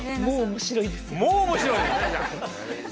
もう面白いですよね。